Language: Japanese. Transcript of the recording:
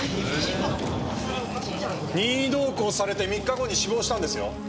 任意同行されて３日後に死亡したんですよ。